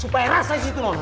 supaya rasa disitu nona